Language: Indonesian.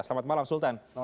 selamat malam sultan